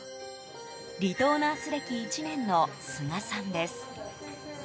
離島ナース歴１年の須賀さんです。